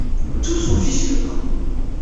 Tous ont fichu le camp.